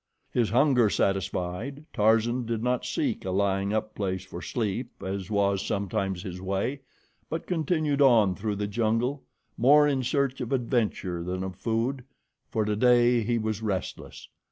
His hunger satisfied, Tarzan did not seek a lying up place for sleep, as was sometimes his way, but continued on through the jungle more in search of adventure than of food, for today he was restless.